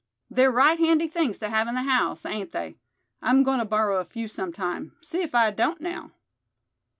They're right handy things to have in the house, ain't they. I'm goin' to borrow a few sometime, see if I don't now."